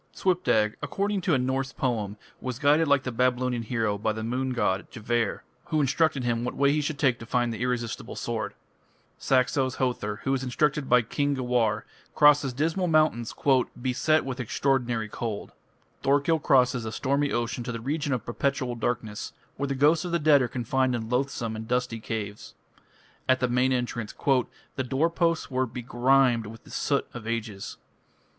Svipdag, according to a Norse poem, was guided like the Babylonian hero by the moon god, Gevar, who instructed him what way he should take to find the irresistible sword. Saxo's Hother, who is instructed by "King Gewar", crosses dismal mountains "beset with extraordinary cold". Thorkill crosses a stormy ocean to the region of perpetual darkness, where the ghosts of the dead are confined in loathsome and dusty caves. At the main entrance "the door posts were begrimed with the soot of ages".